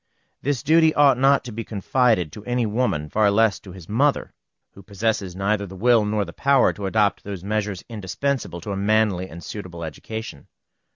This duty ought not to be confided to any woman, far less to his mother, who possesses neither the will nor the power to adopt those measures indispensable to a manly and suitable education.